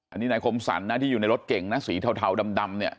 อันนี้นายคมสรรนะที่อยู่ในรถเก่งนะสีเทาดำเนี่ย